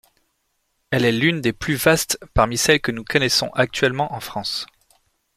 Elle est l’une des plus vastes parmi celles que nous connaissons actuellement en France.